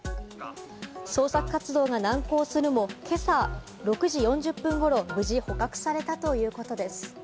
捜索活動が難航するも、今朝６時４０分頃、無事に捕獲されたということです。